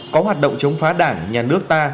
có hoạt động chống phá đảng nhà nước ta